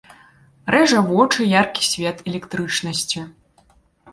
Рэжа вочы яркі свет электрычнасці.